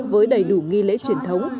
với đầy đủ nghi lễ truyền thống